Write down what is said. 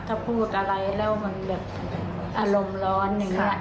ถ้าพูดอะไรแล้วมันแบบอารมณ์ร้อนอย่างนี้